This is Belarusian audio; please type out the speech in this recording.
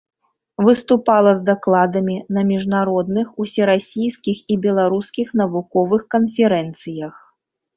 Выступала з дакладамі на міжнародных, усерасійскіх і беларускіх навуковых канферэнцыях.